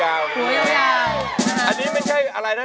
อันนี้ไม่ใช่อะไรนะ